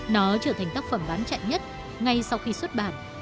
nó trở thành tác phẩm bán chạy nhất ngay sau khi xuất bản